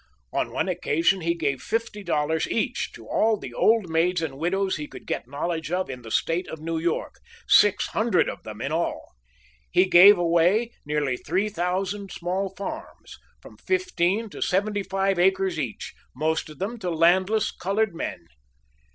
On one occasion he gave fifty dollars each to all the old maids and widows he could get knowledge of in the State of New York six hundred of them in all. He gave away nearly three thousand small farms, from fifteen to seventy five acres each, most of them to landless colored men.